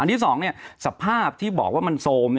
อันที่สองสภาพที่บอกว่ามันโทรม